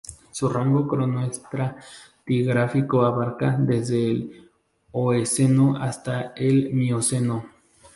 Su rango cronoestratigráfico abarca desde el Eoceno hasta el Mioceno.